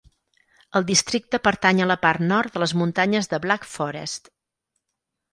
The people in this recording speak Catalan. El districte pertany a la part nord de les muntanyes de Black Forest.